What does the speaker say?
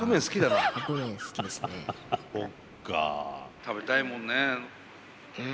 食べたいもんねえ。